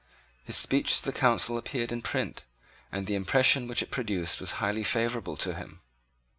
His speech to the Council appeared in print, and the impression which it produced was highly favourable to him.